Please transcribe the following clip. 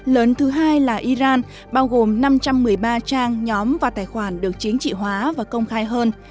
lớn thứ hai là iran bao gồm năm trăm một mươi ba trang nhóm và tài khoản được chính trị hóa và công khai hơn